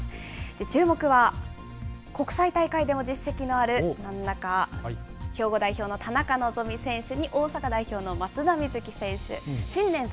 注目は国際大会でも実績のある真ん中、兵庫代表の田中希実選手に、大阪代表の松田瑞生選手。